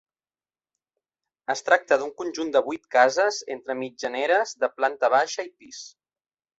Es tracta d'un conjunt de vuit cases entre mitjaneres de planta baixa i pis.